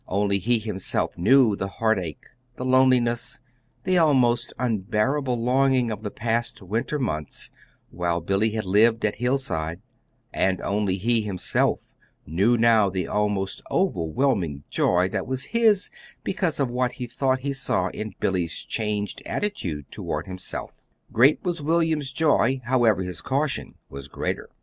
Only he himself knew the heartache, the loneliness, the almost unbearable longing of the past winter months while Billy had lived at Hillside; and only he himself knew now the almost overwhelming joy that was his because of what he thought he saw in Billy's changed attitude toward himself. Great as was William's joy, however, his caution was greater.